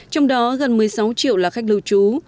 trong đó gần một mươi sáu triệu là khách lưu trú